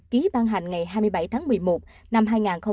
ký ban hành ngày hai mươi bảy tháng một mươi một năm hai nghìn một mươi bảy